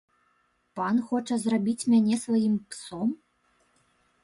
Пан хоча зрабіць мяне сваім псом?